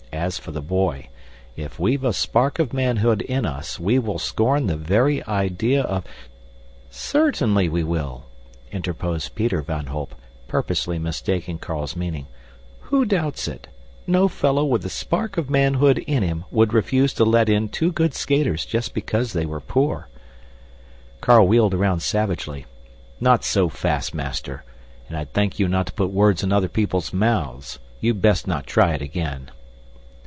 As for the boy, if we've a spark of manhood in us, we will scorn the very idea of " "Certainly we will!" interposed Peter van Holp, purposely mistaking Carl's meaning. "Who doubts it? No fellow with a spark of manhood in him would refuse to let in two good skaters just because they were poor!" Carl wheeled about savagely. "Not so fast, master! And I'd thank you not to put words in other people's mouths. You'd best not try it again."